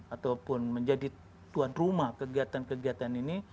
ataupun menjadi tuan rumah kegiatan kegiatan ini